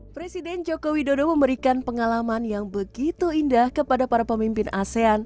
presiden joko widodo memberikan pengalaman yang begitu indah kepada para pemimpin asean